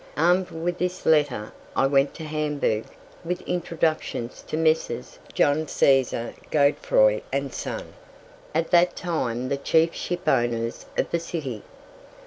Armed with this letter, I went to Hamburg with introductions to Messrs. John Caesar Godeffroy and Son, at that time the chief shipowners of the city.